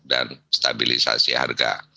dan stabilisasi harga